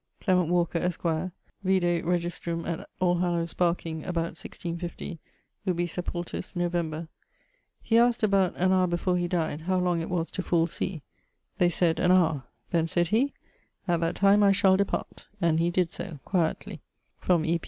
Clement Walker[CE], esq. vide registrum at All Hallows, Barking, about 1650, ubi sepultus, November: he asked about an hower before he dyed, how long it was to full sea. They sayd, an hower. 'Then,' sayd he, 'at that time I shall depart'; and he did so, quietly from E.